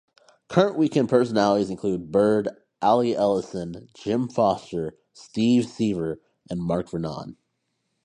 Current weekend personalities include Byrd, Allie Ellison, Jim Foster, Steve Seaver and Marc Vernon.